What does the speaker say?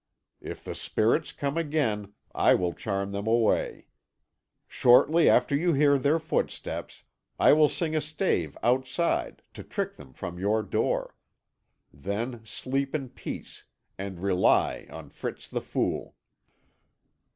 If the spirits come again, I will charm them away; shortly after you hear their footsteps, I will sing a stave outside to trick them from your door. Then sleep in peace, and rely on Fritz the Fool."